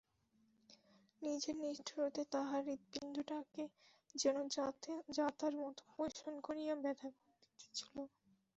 নিজের নিষ্ঠুরতায় তাহার হৃৎপিণ্ডটাকে যেন জাঁতার মতো পেষণ করিয়া ব্যথা দিতেছিল।